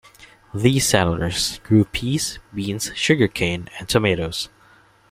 These settlers grew peas, beans, sugar cane, and tomatoes.